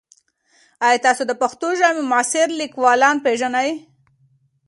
ایا ته د پښتو ژبې معاصر لیکوالان پېژنې؟